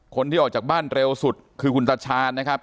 คนที่ออกจากบ้านเร็วสุดคือคุณตาชาญนะครับ